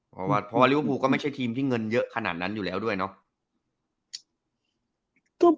เพราะว่าลิเวอร์ภูก็ไม่ใช่ทีมที่เงินเยอะขนาดนั้นอยู่แล้วด้วยเนาะ